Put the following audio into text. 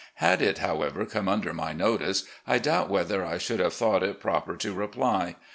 Had it, how ever, come under my notice, I doubt whether I should have thought it proper to reply.